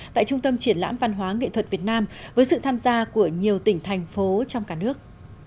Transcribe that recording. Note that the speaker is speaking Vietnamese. tại trung tâm triển lãm văn hóa nghệ thuật việt nam với sự tham gia của nhiều tỉnh thành phố trong cả nước